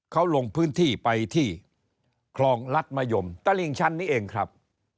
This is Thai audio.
เขาลงพื้นที่ไปที่คลองรัฐมะยมตลิ่งชั้นนี้เองครับ